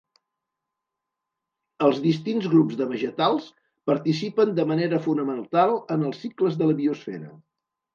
Els distints grups de vegetals participen de manera fonamental en els cicles de la biosfera.